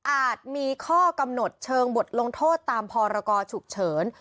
มีข้อกำหนดเชิงบทลงโทษตามพรกรฉุกเฉิน